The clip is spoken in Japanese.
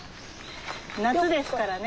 夏ですからね。